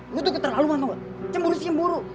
lo tuh keterlaluan tau gak cemburu cemburu